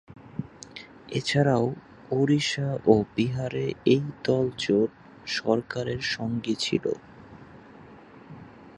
এছাড়াও ওড়িশা ও বিহারে এই দল জোট সরকারের সঙ্গী ছিল।